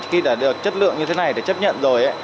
khi đã được chất lượng như thế này để chấp nhận rồi